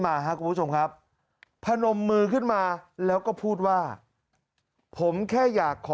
มาครับคุณผู้ชมครับพนมมือขึ้นมาแล้วก็พูดว่าผมแค่อยากขอ